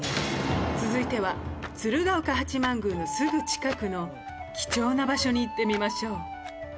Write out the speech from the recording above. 続いては鶴岡八幡宮のすぐ近くの貴重な場所に行ってみましょう。